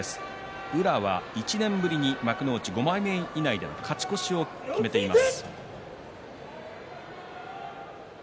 宇良は１年ぶりに幕内５枚目以内での勝ち越しを決めています。